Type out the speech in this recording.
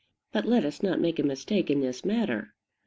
But let us not make a mistake in this matter.